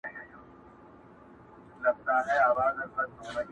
o په ډېري کې خوره، په لږي کي ست کوه!